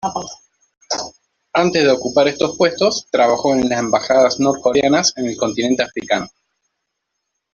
Antes de ocupar estos puestos, trabajó en las embajadas norcoreanas en el continente africano.